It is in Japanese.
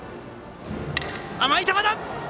甘い球だ！